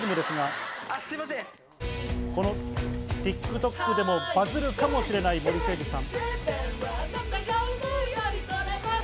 ＴｉｋＴｏｋでバズるかもしれない、もりせいじゅさん。